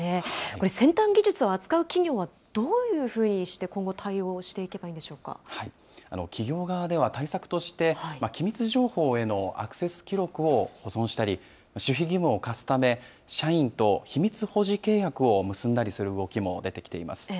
これ、先端技術を扱う企業は、どういうふうにして今後、対応していけば企業側では、対策として機密情報へのアクセス記録を保存したり、守秘義務を課すため、社員と秘密保持契約を結んだりする動きも出てきています。